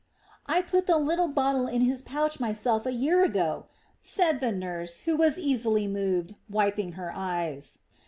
"I put the little box in his pouch myself a year ago," said the nurse who was easily moved, wiping her eyes.